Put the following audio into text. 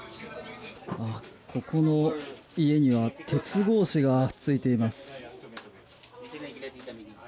ここの家には鉄格子がついています。